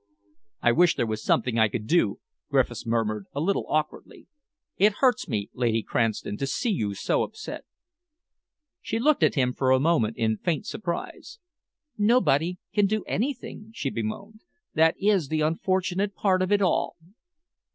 "I wish there were something I could do," Griffiths murmured, a little awkwardly. "It hurts me, Lady Cranston, to see you so upset." She looked at him for a moment in faint surprise. "Nobody can do anything," she bemoaned. "That is the unfortunate part of it all."